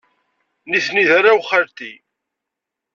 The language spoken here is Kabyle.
Nitni d arraw n xalti.